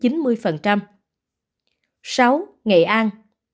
sáu nghệ an